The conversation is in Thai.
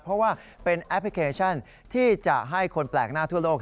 เพราะว่าเป็นแอปพลิเคชันที่จะให้คนแปลกหน้าทั่วโลก